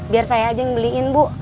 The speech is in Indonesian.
biar saya aja yang beliin bu